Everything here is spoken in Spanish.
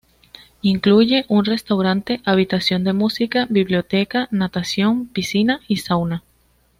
Incluye un restaurante, habitación de música, biblioteca, natación-piscina, y sauna.